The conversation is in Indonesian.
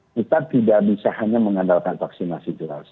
kita tidak bisa hanya mengandalkan vaksinasi jelas